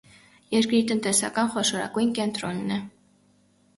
Երկրի տնտեսական խոշորագույն կենտրոնն է։